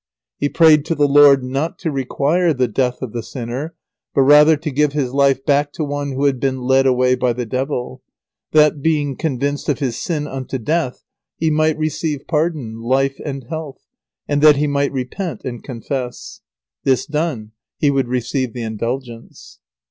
He prayed to the Lord not to require the death of the sinner, but rather to give his life back to one who had been led away by the Devil, that, being convinced of his sin unto death, he might receive pardon, life, and health, and that he might repent and confess. This done, he would receive the Indulgence.